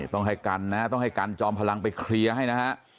ต้องให้กันนะต้องให้กันจอมพลังไปเคลียร์ให้นะฮะ